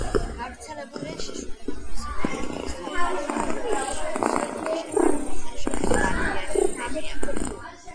გავრცელებულია შიშველი და მცენარეული საფარით ნახევრად შემოსილი ქვიშები, რომელთა შორის მარილიანი ტბებია.